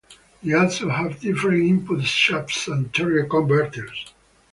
They also have different input shafts and torque converters.